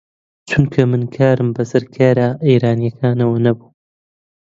چونکە من کارم بە سەر کاری ئێرانییەکانەوە نەبوو